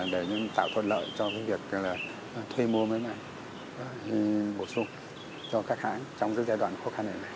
để tạo thuận lợi cho cái việc là thuê mua mới này bổ sung cho các hãng trong cái giai đoạn khó khăn này này